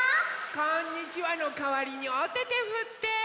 こんにちはのかわりにおててふって！